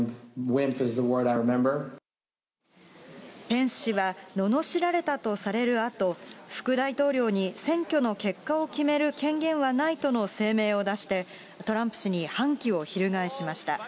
ペンス氏は、ののしられたとされるあと、副大統領に選挙の結果を決める権限はないとの声明を出して、トランプ氏に反旗を翻しました。